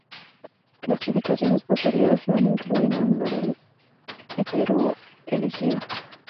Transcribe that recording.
Clasificaciones posteriores lo han incluido en el orden Heterohelicida.